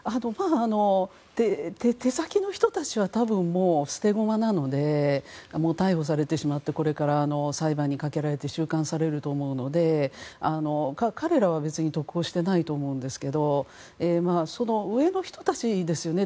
手先の人たちは多分、捨て駒なので逮捕されてしまってこれから裁判にかけられて収監されると思うので彼らは別に得をしていないと思いますがその上の人たちですよね。